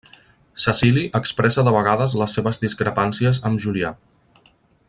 Cecili expressa de vegades les seves discrepàncies amb Julià.